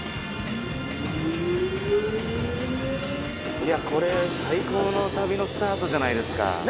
いやこれ最高の旅のスタートじゃないですか。